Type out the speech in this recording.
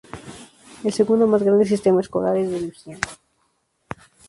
Es el segundo más grande sistema escolar de Luisiana.